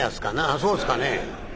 「そうですかねぇ」。